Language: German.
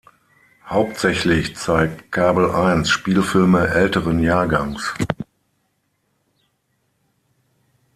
Hauptsächlich zeigt "kabel eins" Spielfilme älteren Jahrgangs.